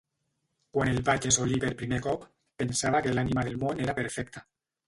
Quan el vaig assolir per primer cop, pensava que l'ànima del món era perfecta.